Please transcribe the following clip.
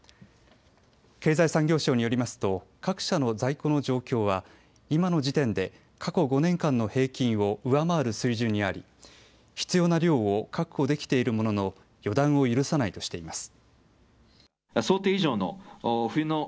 経済産業省によりますと各社の在庫の状況は今の時点で過去５年間の平均を上回る水準にあり必要な量を確保できているものの予断を許さないとしています。